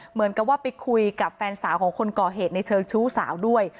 เหมือนกับว่าไปคุยกับแฟนสาวของคนก่อเหตุในเชิงชู้สาวด้วย